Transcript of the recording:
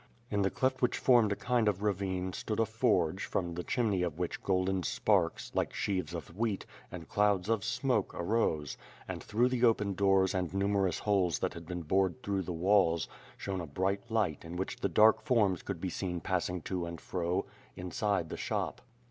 In the cleft which formed a kind of ravine, stood a forge, from the chimney of which golden sparks, like sheaves of wheat, and clouds of smoke arose, and through the open doors and numerous holes that had been bored through the walls, shone a bright light in which dark forms could be seen pass ing to and fro, inside the shop.